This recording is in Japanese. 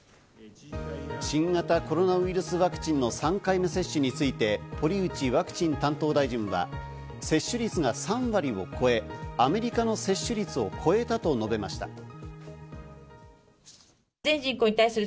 新型コロナウイルスワクチンの３回目接種について、堀内ワクチン担当大臣は接種率が３割を超え、アメリカの接種率を超えたと述べました。